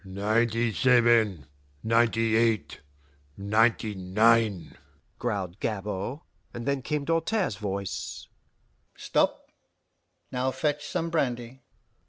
"Ninety seven! Ninety eight! Ninety nine!" growled Gabord, and then came Doltaire's voice: "Stop! Now fetch some brandy."